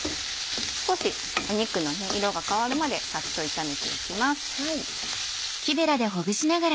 少し肉の色が変わるまでさっと炒めていきます。